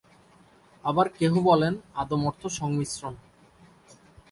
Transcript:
আবার কেহ বলেন, আদম অর্থ সংমিশ্রণ।